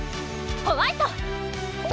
ホワイト！